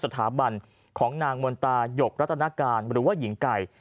สถาบันของนางมนตายกรัตนาการหรือว่าหญิงไก่